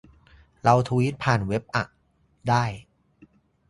เราทวีตผ่านเว็บอ่ะ ได้